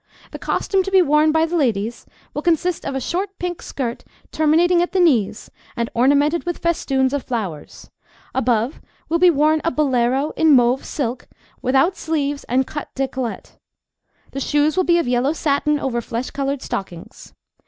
The costume to be worn by the ladies will consist of a short pink skirt terminating at the knees and ornamented with festoons of flowers; above will be worn a bolero in mauve silk without sleeves and cut décolleté. The shoes should be of yellow satin over flesh coloured stockings.